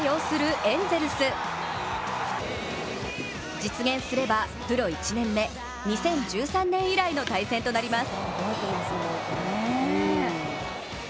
実現すればプロ１年目、２０１３年以来の対戦となります。